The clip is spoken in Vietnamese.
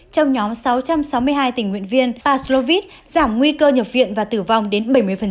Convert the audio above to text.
trong nhóm sáu trăm sáu mươi hai tình nguyện viên aslovit giảm nguy cơ nhập viện và tử vong đến bảy mươi